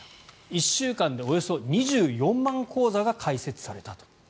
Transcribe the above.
１週間でおよそ２４万口座が開設されたと。